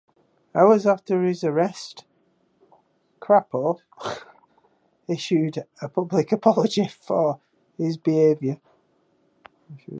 Hours after his arrest, Crapo issued a public apology for his behavior.